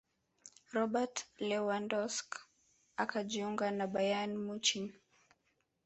robert lewandowsk akajiunga na bayern munich